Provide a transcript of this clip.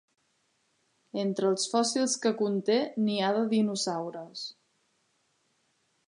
Entre els fòssils que conté n'hi ha de dinosaures.